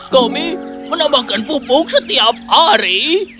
kami menambahkan pupuk setiap hari